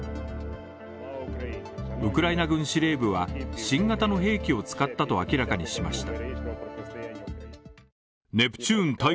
ウクライナ軍司令部は新型の兵器を使ったと明らかにしました。